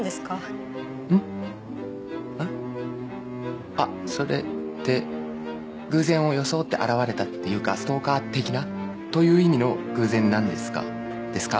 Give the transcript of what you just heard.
ん？えっ？あっそれって偶然を装って現れたっていうかストーカー的な？という意味の「偶然なんですか？」ですか？